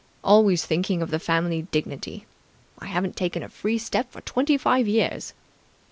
Always thinking of the family dignity. I haven't taken a free step for twenty five years."